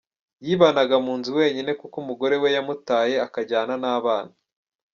Yibanaga mu nzu wenyine kuko umugore we yamutaye, akanajyana abana.